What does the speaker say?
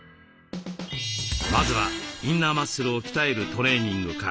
まずはインナーマッスルを鍛えるトレーニングから。